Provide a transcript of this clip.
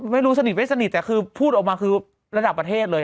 ไม่รู้สนิทไม่สนิทแต่คือพูดออกมาคือระดับประเทศเลย